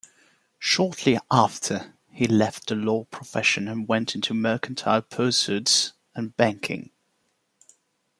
Shortly after, he left the law profession and went into mercantile pursuits and banking.